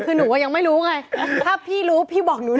คือหนูยังไม่รู้ไงถ้าพี่รู้พี่บอกหนู